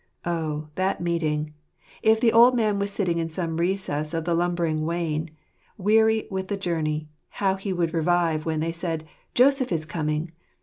Oh, that meeting ! If the old man was sitting in some recess of the lumbering wain, weary with the long journey, how he would revive when they said " Joseph is coming